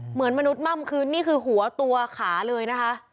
เหมือนมนุษย์ม่ำคืนนี่คือหัวตัวขาเลยนะคะ